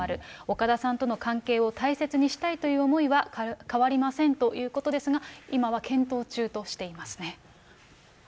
岡田さんとの関係を大切にしたいという思いは変わりありませんということですが、今は検討中としていますね。